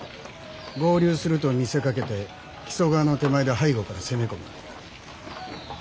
合流すると見せかけて木曽川の手前で背後から攻め込む。